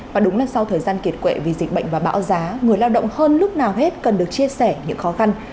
và đúng là sau thời gian kiệt quệ vì dịch bệnh và bão giá người lao động hơn lúc nào hết cần được chia sẻ những khó khăn